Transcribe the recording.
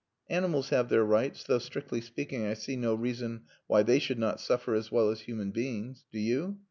Animals have their rights; though, strictly speaking, I see no reason why they should not suffer as well as human beings. Do you?